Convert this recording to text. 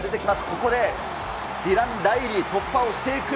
ここでディラン・ライリー、突破をしていく。